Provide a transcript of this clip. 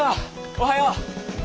おはよう。